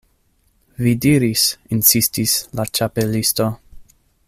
"Vi diris" insistis la Ĉapelisto.